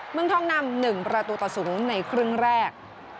เมืองทองนำ๑ประตูต่อ๐ในครึ่งแรก